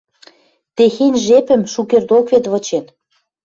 Техень жепӹм шукердок вет вычен